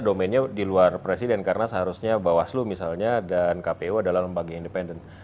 domainnya di luar presiden karena seharusnya bawaslu misalnya dan kpu adalah lembaga independen